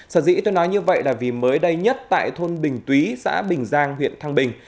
sở dĩ tôi nói như vậy là vì mới đây nhất tại thôn bình túy xã bình giang huyện thăng bình